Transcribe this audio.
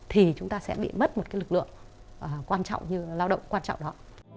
thì chúng ta sẽ bị mất một cái lực lượng quan trọng như lao động quan trọng đó